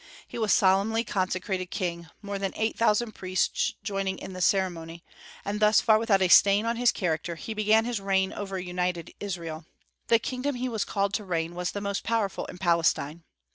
He was solemnly consecrated king, more than eight thousand priests joining in the ceremony; and, thus far without a stain on his character, he began his reign over united Israel. The kingdom over which he was called to reign was the most powerful in Palestine.